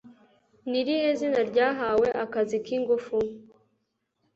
Ni irihe zina ryahawe Akazi k’ingufu